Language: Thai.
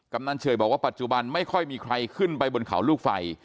ำนันเฉยบอกว่าปัจจุบันไม่ค่อยมีใครขึ้นไปบนเขาลูกไฟ